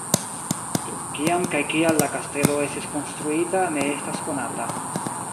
Kiam kaj kial la kastelo estis konstruita ne estas konata.